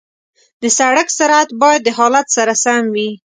د سړک سرعت باید د حالت سره سم وي.